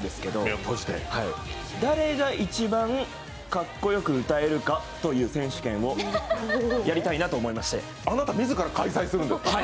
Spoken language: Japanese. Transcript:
ですけど、誰が一番かっこよく歌えるかという選手権をやりたいと思いましてあなた自ら開催するんですか！？